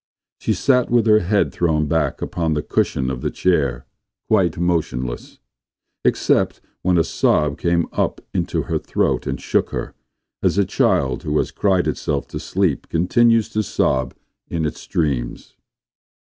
She sat with her head thrown back upon the cushion of the chair, quite motionless, except when a sob came up into her throat and shook her, as a child who has cried itself to sleep continues to sob in its dreams.